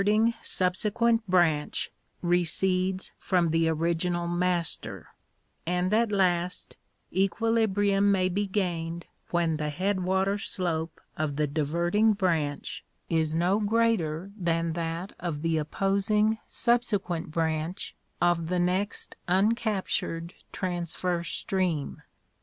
ing subsequent branch recedes from the original master: and at last, equilibrium may be gained when the headwater slope of the diverting branch is no greater than that of the opposing subse quent branch of the next uncaptured transverse stream.